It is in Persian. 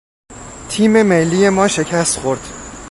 تیم ملی ما شکست خورد.